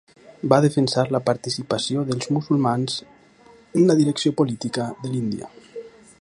Va defensar la participació dels musulmans en la direcció política de l'Índia.